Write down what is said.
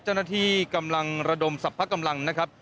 เจ้าหน้าที่กำลังระดมสรรพกำลังนะครับ